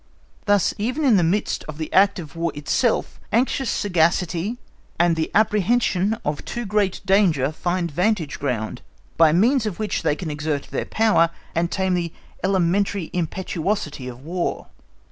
Thus even in the midst of the act of War itself, anxious sagacity and the apprehension of too great danger find vantage ground, by means of which they can exert their power, and tame the elementary impetuosity of War.